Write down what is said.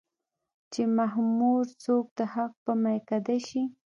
چې مخموره څوک د حق په ميکده شي